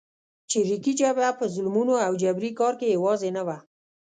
چریکي جبهه په ظلمونو او جبري کار کې یوازې نه وه.